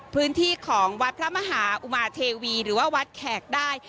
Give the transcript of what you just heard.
พื้นที่ของวัดพระมหาอุมาเทวีหรือว่าวัดแขกได้